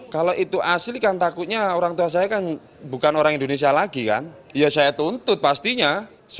kekasihannya keperluan yang membuatnya terburu buru